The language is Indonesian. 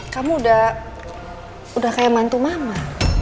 kamu udah kayak mantu mama